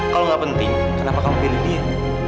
kalau nggak penting kenapa kamu pilih dia